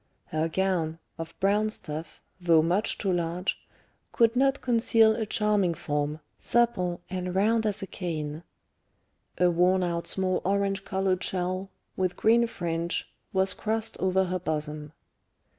Her gown, of brown stuff, though much too large, could not conceal a charming form, supple and round as a cane; a worn out small orange coloured shawl, with green fringe, was crossed over her bosom.